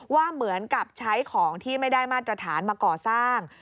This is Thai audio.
ว่าเหมือนกับใช้ของที่ไม่ได้มาตรฐานมาก่อสร้าง